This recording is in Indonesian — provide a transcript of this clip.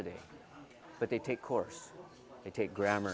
tapi mereka mengambil kursus mereka mengambil grammar